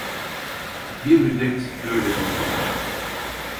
Bir müddet böyle durdular.